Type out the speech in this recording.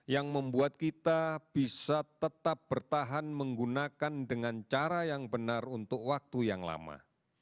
yang membuat kita bisa tetap bertahan menggunakan dengan cara yang benar untuk waktu yang lama